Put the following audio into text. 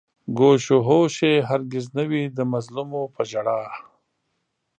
گوش و هوش يې هر گِز نه وي د مظلومو په ژړا